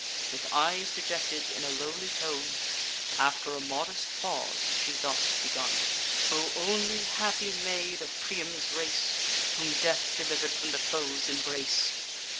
With eyes dejected, in a lowly tone, After a modest pause she thus begun: "'O only happy maid of Priam's race, Whom death deliver'd from the foes' embrace!